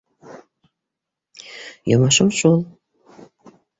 - Йомошом шул...